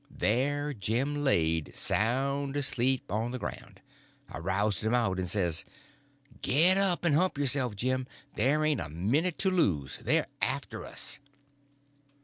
There Jim laid, sound asleep on the ground. I roused him out and says: "Git up and hump yourself, Jim! There ain't a minute to lose. They're after us!"